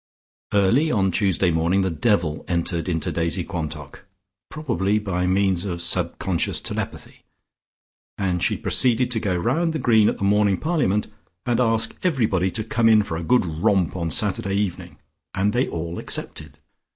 Early on Tuesday morning the devil entered into Daisy Quantock, probably by means of subconscious telepathy, and she proceeded to go round the green at the morning parliament, and ask everybody to come in for a good romp on Saturday evening, and they all accepted.